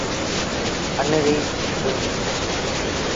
ان ريٚ گُنديٚ